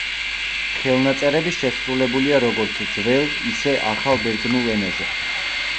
ხელნაწერები შესრულებულია როგორც ძველ, ისე ახალ ბერძნულ ენაზე.